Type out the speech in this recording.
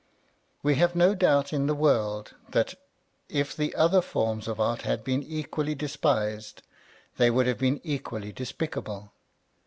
We have no doubt in the world that, if the other forms of art had been equally despised, they would have been equally despicable.